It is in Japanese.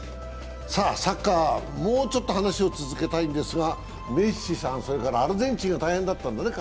サッカー、もうちょっと話を続けたいんですがメッシさん、それからアルゼンチンが大変だったんだね。